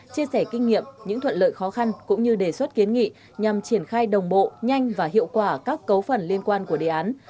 chia sẻ kinh nghiệm những thuận lợi khó khăn cũng như đề xuất kiến nghị nhằm triển khai đồng bộ nhanh và hiệu quả các cấu phần liên quan của đề án